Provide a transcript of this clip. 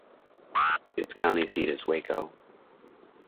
Its county seat is Waco.